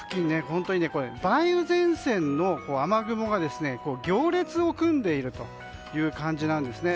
本当に梅雨前線の雨雲が行列を組んでいるという感じなんですね。